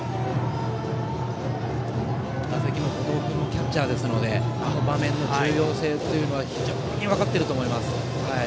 打席の後藤君もキャッチャーですので今の場面の重要さは非常に分かってると思います。